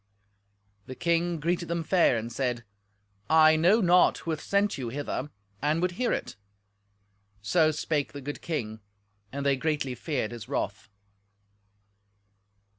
The king greeted them fair, and said, "I know not who hath sent you hither, and would hear it." So spake the good king, and they greatly feared his wrath.